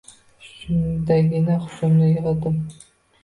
Shundagina hushimni yigʼdim.